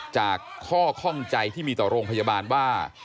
จากข้อข้องใจที่มีต่อโรงพยาบาลว่า